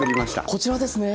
こちらですね。